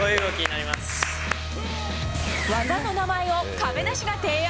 技の名前を、亀梨が提案？